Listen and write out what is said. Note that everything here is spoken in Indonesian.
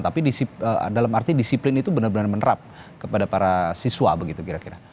tapi dalam arti disiplin itu benar benar menerap kepada para siswa begitu kira kira